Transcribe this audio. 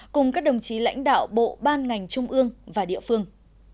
cùng các đồng chí lãnh đạo bộ ban ngành trung ương và địa phương